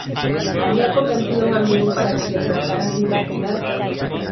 Había convencido a un amigo para que le prestara su identidad.